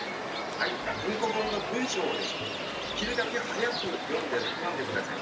文庫本の文章をですねできるだけ速く読んで下さい。